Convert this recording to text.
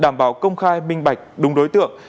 đảm bảo công khai minh bạch đúng đối tượng